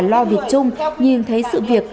lo việt trung nhìn thấy sự việc